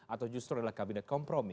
atau justru adalah kabinet kompromi